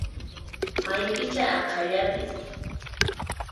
Maypichá aqhallapis!